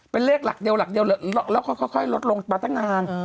เป็นเลขหลักเดียวหลักเดียวแล้วค่อยลดลงมาตั้งนาน